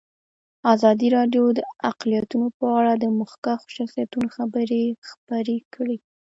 ازادي راډیو د اقلیتونه په اړه د مخکښو شخصیتونو خبرې خپرې کړي.